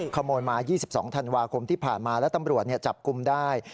ขโมยมา๒๒ธันวาคมที่ผ่านมาแล้วตำรวจจับกลุ่มได้